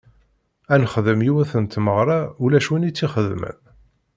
Ad nexdem yiwet n tmeɣra ulac win i tt-ixedmen.